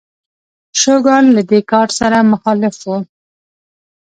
شوګان له دې کار سره مخالف و.